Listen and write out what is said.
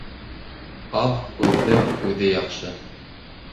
Аҙ һүҙҙең үҙе яҡшы.